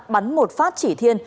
bắn một phát chỉ thiên